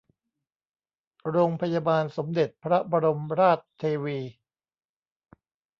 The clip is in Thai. โรงพยาบาลสมเด็จพระบรมราชเทวี